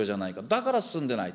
だから進んでいない。